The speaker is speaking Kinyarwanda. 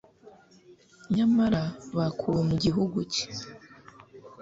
nyamara bakuwe mu gihugu cye